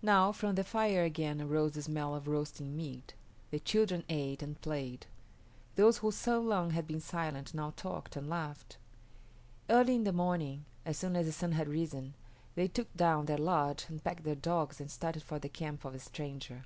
Now from the fire again arose the smell of roasting meat. The children ate and played. Those who so long had been silent now talked and laughed. Early in the morning, as soon as the sun had risen, they took down their lodge and packed their dogs and started for the camp of the stranger.